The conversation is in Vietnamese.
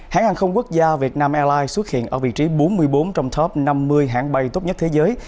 hãng hàng không quốc gia việt nam airlines xuất hiện ở vị trí bốn mươi bốn trong top năm mươi hãng bay tốt nhất thế giới